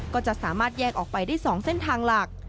ก็จะสามารถแยกออกไปได้๒เส้นทางหลัก